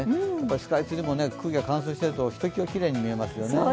スカイツリーも空気が乾燥しているときれいに見えますね。